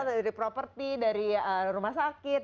dari properti dari rumah sakit